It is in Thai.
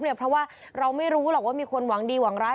เพราะว่าเราไม่รู้หรอกว่ามีคนหวังดีหวังร้าย